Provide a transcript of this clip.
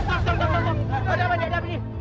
ada apa ini ada apa ini